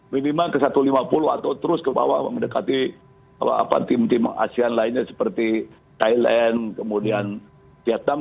minimal ke satu ratus lima puluh atau terus ke bawah mendekati tim tim asean lainnya seperti thailand kemudian vietnam